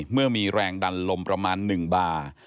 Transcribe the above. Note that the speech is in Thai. เมื่อมีแรงดันลมประมาณ๑บาร์